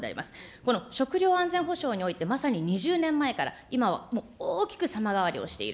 この食料安全保障において、まさに２０年前から今はもう大きく様変わりをしている。